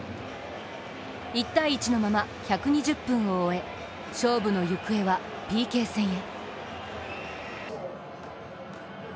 １−１のまま、１２０分を終え、勝負の行方はＰＫ戦へ。